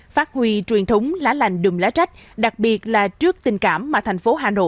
phát huy truyền thống lá lành đùm lá trách đặc biệt là trước tình cảm mà tp hcm